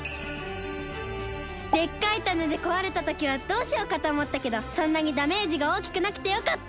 でっかいタネでこわれたときはどうしようかとおもったけどそんなにダメージがおおきくなくてよかった。